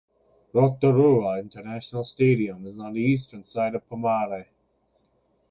Rotorua International Stadium is on the eastern side of Pomare.